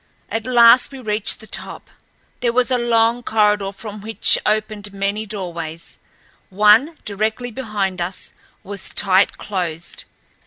At last we reached the top. There was a long corridor from which opened many doorways. One, directly behind us, was tight closed.